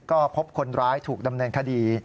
ก็พบคนร้ายถูกดำเนินคดี